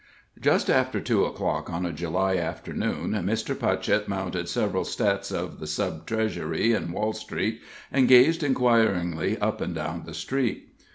Just after two o'clock, on a July afternoon, Mr. Putchett mounted several steps of the Sub Treasury in Wall Street, and gazed inquiringly up and down the street.